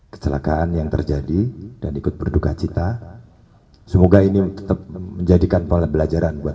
kecelakaan yang terjadi dan ikut berduka cita semoga ini tetap menjadikan pola belajaran buat